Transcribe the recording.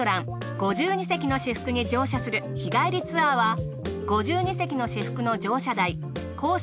「５２席の至福」に乗車する日帰りツアーは「５２席の至福」の乗車代コース